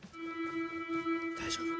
大丈夫。